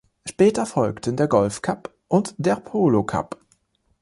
Später folgten der "Golf-Cup" und der "Polo-Cup".